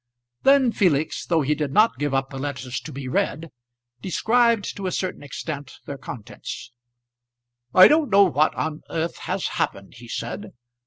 Then Felix, though he did not give up the letters to be read, described to a certain extent their contents. "I don't know what on earth has happened," he said.